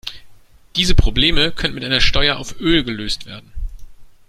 Diese Probleme können mit einer Steuer auf Öl gelöst werden.